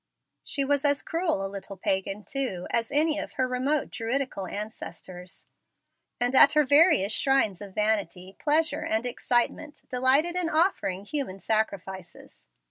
She was as cruel a little pagan, too, as any of her remote Druidical ancestors, and at her various shrines of vanity, pleasure, and excitement, delighted in offering human sacrifices.